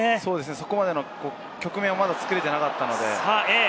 そこまでの局面を作れていなかったので。